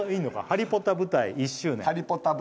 「ハリポタ舞台１周年」